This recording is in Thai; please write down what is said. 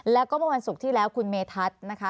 แล้วก็เมื่อวันศุกร์ที่แล้วคุณเมธัศน์นะคะ